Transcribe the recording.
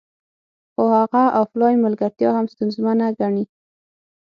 خو هغه افلاین ملګرتیا هم ستونزمنه ګڼي